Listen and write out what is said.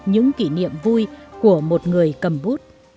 những kỷ niệm vui của một người cầm bút